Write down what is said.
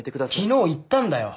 昨日行ったんだよ。